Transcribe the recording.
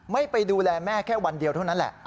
ไม่ไปดูแลแม่แค่วันเดียวเท่านั้นแหละ